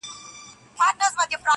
لنډۍ په غزل کي، درېیمه برخه!!